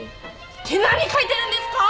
って何書いてるんですか！？